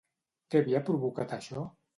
Què havia provocat això?